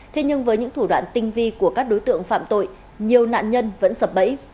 thế nhưng với những thủ đoạn tinh vi của các đối tượng phạm tội nhiều nạn nhân vẫn sập bẫy